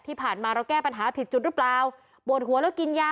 ที่ผ่านมาแล้วแก้ปัญหาผิดจุดหรือเปล่า